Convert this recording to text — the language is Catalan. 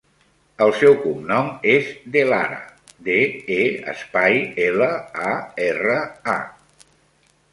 El seu cognom és De Lara: de, e, espai, ela, a, erra, a.